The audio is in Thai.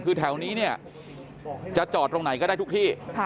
คือแถวนี้เนี่ยจะจอดตรงไหนก็ได้ทุกที่